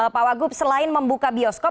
pak wagub selain membuka bioskop